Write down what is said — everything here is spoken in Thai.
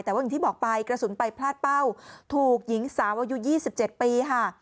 แต่ว่าอย่างที่บอกไปกระสุนไปพลาดเป้าถูกหญิงสาวอายุ๒๗ปีค่ะ